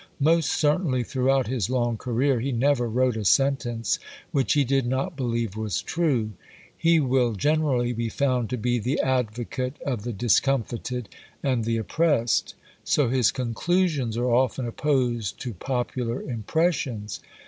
Most certainly, throughout his long career, he never wrote a sentence which he did not believe was true. He will generally be found to be the advocate of the discomfited and the oppressed. So his conclusions are often opposed to popular impressions.